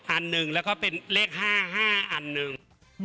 อันหนึ่งแล้วก็เป็นเลข๕๕อันหนึ่ง